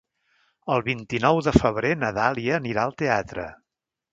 El vint-i-nou de febrer na Dàlia anirà al teatre.